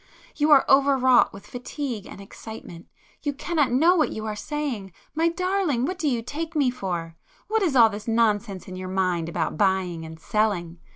You are overwrought with fatigue and excitement,—you cannot know what you are saying. My darling, what do you take me for?—what is all this nonsense in your mind about buying and selling?